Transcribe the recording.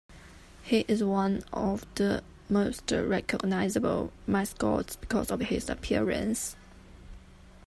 He is one of the most recognizable mascots because of his appearance.